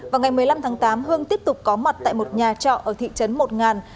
vào ngày một mươi năm tháng tám hương tiếp tục có mặt tại một nhà trọ ở thị trấn một ngàn